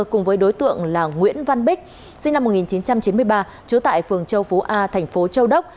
cùng với đối tượng là nguyễn văn bích sinh năm một nghìn chín trăm chín mươi ba trú tại phường châu phú a thành phố châu đốc